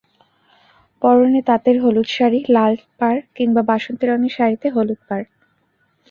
পরনে তাঁতের হলুদ শাড়ি, লাল পাড় কিংবা বাসন্তী রঙের শাড়িতে হলুদ পাড়।